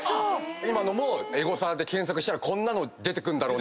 今のもエゴサで検索したらこんなの出てくんだろうな。